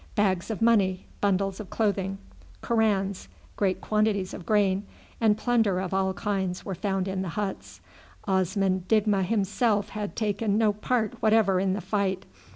Bags of money, bundles of clothing, Korans, great quantities of grain, and plunder of all kinds were found in the huts. Osman Digma himself had taken no part whatever in the fight.